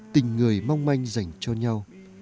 tình người mong manh dành cho nhau